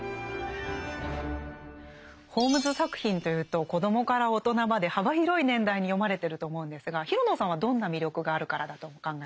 ホームズ作品というと子供から大人まで幅広い年代に読まれてると思うんですが廣野さんはどんな魅力があるからだとお考えですか？